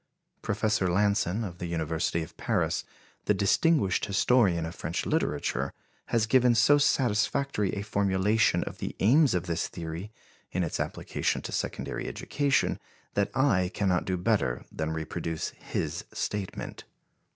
Professor Lanson, of the University of Paris, the distinguished historian of French literature, has given so satisfactory a formulation of the aims of this theory in its application to secondary education that I cannot do better than reproduce his statement.